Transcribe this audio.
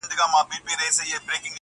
شیخ لا هم وو په خدمت کي د لوی پیر وو.!